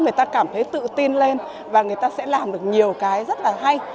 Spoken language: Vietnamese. người ta cảm thấy tự tin lên và người ta sẽ làm được nhiều cái rất là hay